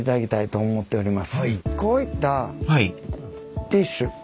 こういったティッシュ。